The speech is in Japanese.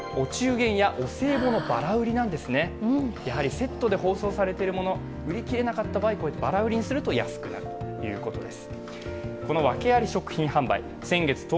セットで包装されているもの、売り切れなかった場合こういうバラ売りにすると安くなるということです。